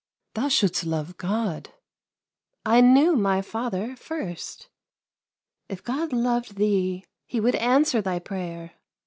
Thou shouldst love God." " I knew my father first. If God loved thee, He would answer thy prayer.